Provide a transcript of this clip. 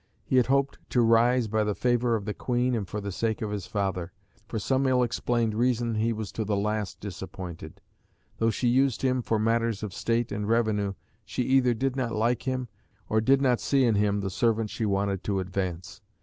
He had hoped to rise by the favour of the Queen and for the sake of his father. For some ill explained reason he was to the last disappointed. Though she used him "for matters of state and revenue," she either did not like him, or did not see in him the servant she wanted to advance.